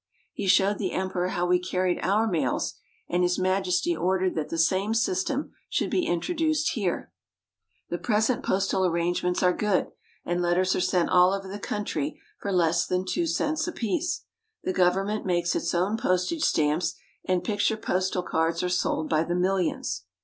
He showed the Emperor how we carried our mails, and His Majesty ordered that the same system should be introduced here. The present postal arrangements are good, and letters are sent all over the country for less than two cents ^^^^^ apiece. The government makes ^PHIfc its own postage stamps, and ^^'^ picture postal cards are sold by the millions.